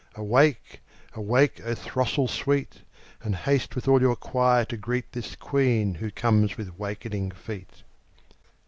Awake! awake, O throstle sweet! And haste with all your choir to greet This Queen who comes with wakening feet.